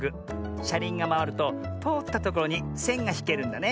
しゃりんがまわるととおったところにせんがひけるんだね。